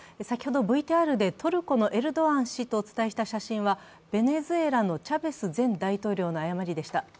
先ほどＶＴＲでトルコのエルドアン氏とお伝えした写真はベネズエラのチャベス前大統領の誤りでした。